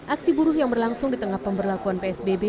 aksi buruh yang berlangsung di tengah pemberlakuan psbb